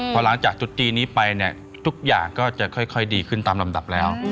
พอหลังจากจุดจีนนี้ไปเนี่ยทุกอย่างก็จะค่อยดีขึ้นตามลำดับแล้ว